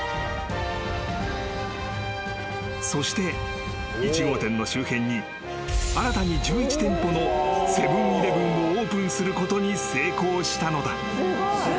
［そして１号店の周辺に新たに１１店舗のセブン―イレブンをオープンすることに成功したのだ］